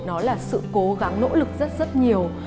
nó là sự cố gắng nỗ lực rất rất nhiều